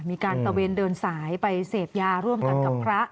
มีการตะเวนเดินสายไปเสพยาร่วมกันกับพระ